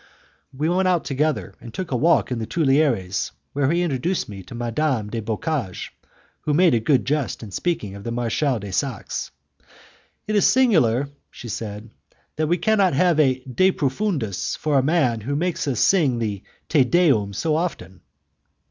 We went out together and took a walk in the Tuileries, where he introduced me to Madame du Boccage, who made a good jest in speaking of the Marechal de Saxe. "It is singular," she said, "that we cannot have a 'De profundis' for a man who makes us sing the 'Te Deum' so often."